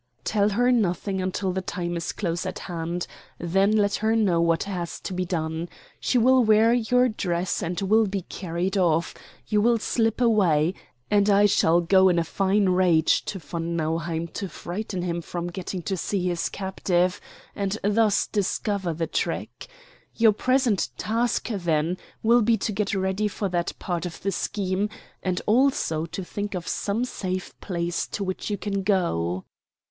"Tell her nothing until the time is close at hand. Then let her know what has to be done. She will wear your dress and will be carried off; you will slip away; and I shall go in a fine rage to von Nauheim to frighten him from getting to see his captive, and thus discover the trick. Your present task, then, will be to get ready for that part of the scheme, and also to think of some safe place to which you can go."